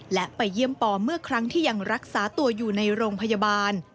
และไปเยี่ยมปอเมื่อครั้งที่ยังรักษาตัวอยู่ในโรงพยาบาล